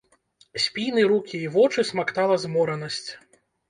Спіны, рукі і вочы смактала зморанасць.